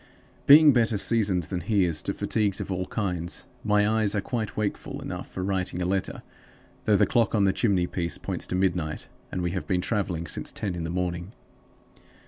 Being better seasoned than he is to fatigues of all kinds, my eyes are quite wakeful enough for writing a letter, though the clock on the chimney piece points to midnight, and we have been traveling since ten in the morning.